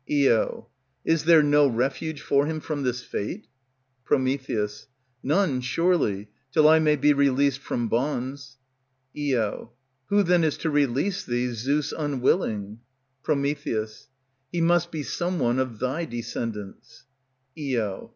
Io. Is there no refuge for him from this fate? Pr. None, surely, till I may be released from bonds. Io. Who, then, is to release thee, Zeus unwilling? Pr. He must be some one of thy descendants. _Io.